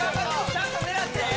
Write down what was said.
ちゃんと狙って。